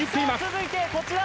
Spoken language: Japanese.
続いてこちら。